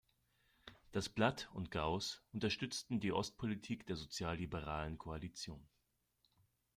Das Blatt und Gaus unterstützten die Ostpolitik der sozialliberalen Koalition.